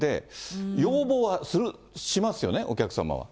要望はしますよね、お客様は。